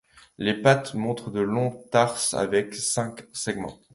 Les pattes montrent de longs tarses avec cinq segments.